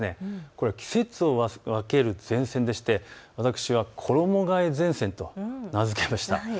これは季節を分ける前線でして私は衣がえ前線と名付けました。